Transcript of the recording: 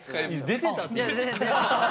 出てたって！